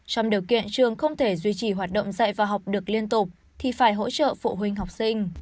trong điều kiện trường không thể duy trì hoạt động dạy và học được liên tục thì phải hỗ trợ phụ huynh học sinh